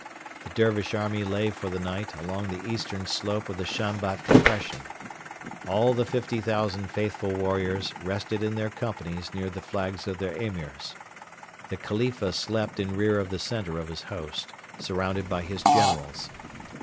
The Dervish army lay for the night along the eastern slope of the Shambat depression. All the 50,000 faithful warriors rested in their companies near the flags of their Emirs. The Khalifa slept in rear of the centre of his host, surrounded by his generals.